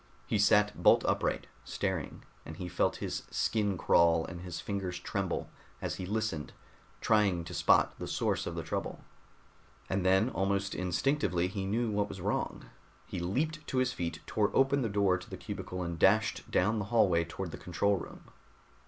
He sat bolt upright, staring, and he felt his skin crawl and his fingers tremble as he listened, trying to spot the source of the trouble. And then, almost instinctively, he knew what was wrong. He leaped to his feet, tore open the door to the cubicle and dashed down the hallway toward the control room.